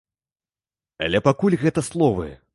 Але пакуль гэта словы.